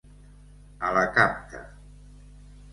A la capta.